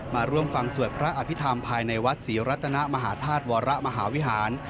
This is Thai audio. มาร่วมฟังสวดพระอภิษฐรรมภายในวัดศรีรัตนมหาธาตุวรมหาวิหาร